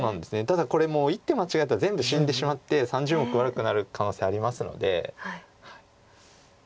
ただこれもう１手間違えたら全部死んでしまって３０目悪くなる可能性ありますので。